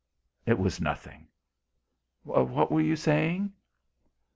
It was nothing. What were you saying?"